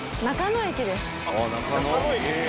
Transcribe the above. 中野駅ですか。